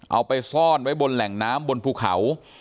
เอาไปซ่อนไว้บนแหล่งน้ำบนภูเขา